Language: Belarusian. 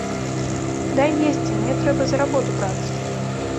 Дай есці, мне трэба за работу брацца!